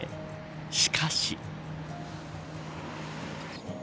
しかし。